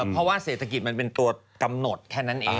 เพราะว่าเศรษฐกิจมันเป็นตัวกำหนดแค่นั้นเอง